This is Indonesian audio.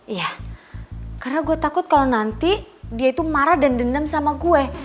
iya karena gue takut kalau nanti dia itu marah dan dendam sama gue